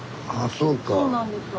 そうなんですよ。